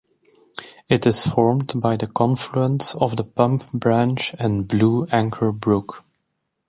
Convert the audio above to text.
It is formed by the confluence of the Pump Branch and Blue Anchor Brook.